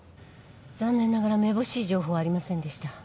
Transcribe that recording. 残念ながらめぼしい情報はありませんでした。